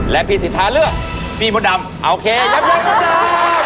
และพี่สิทธาเลือกพี่มดำโอเคยับยั้งมดำ